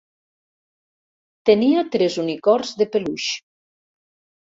Tenia tres unicorns de peluix.